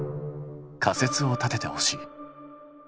仮説を立ててほしい。